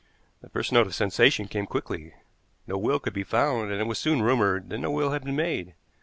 The first note of sensation came quickly. No will could be found, and it was soon rumored that no will had been made.